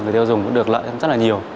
tiêu dùng cũng được lợi rất là nhiều